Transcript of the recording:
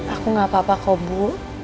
aku gak apa apa kok bu